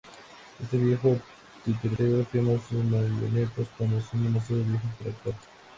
Este viejo titiritero quema sus marionetas cuando son demasiado viejas para actuar.